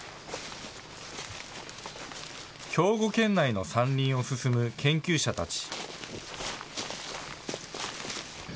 兵庫県内の山林を進む研究者たち。